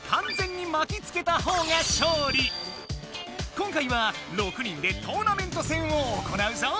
今回は６人でトーナメント戦を行うぞ。